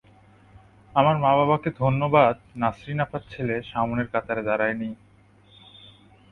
আমার বাবা-মাকে ধন্যবাদ, নাসরিন আপার ছেলে সামনের কাতারে দাঁড়ায়নি।